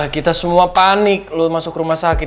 kita semua panik lo masuk rumah sakit